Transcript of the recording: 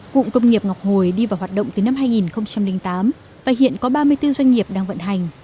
cụm công nghiệp ngọc hồi đi vào hoạt động từ năm hai nghìn tám và hiện có ba mươi bốn doanh nghiệp đang vận hành